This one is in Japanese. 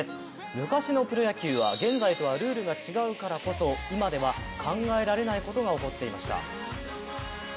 昔のプロ野球は現在とはルールが違うからこそ今では考えられないことが起こっていました。